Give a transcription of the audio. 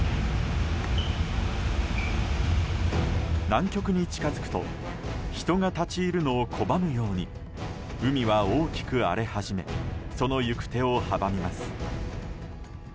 南極に近づくと人が立ち入るのを拒むように海は大きく荒れ始めその行く手を阻みます。